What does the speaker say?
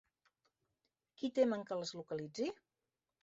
Qui temen que les localitzi?